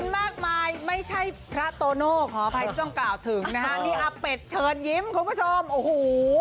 มากมายไม่ใช่พระโตโน่ขออภัยที่ต้องกล่าวถึงนะฮะนี่อาเป็ดเชิญยิ้มคุณผู้ชมโอ้โห